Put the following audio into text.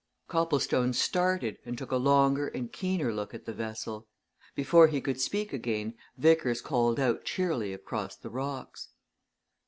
Copplestone started, and took a longer and keener look at the vessel. Before he could speak again, Vickers called out cheerily across the rocks.